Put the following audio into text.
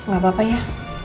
gak apa apa ya